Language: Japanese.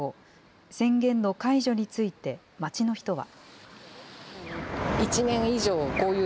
宣言の解除について、街の人は。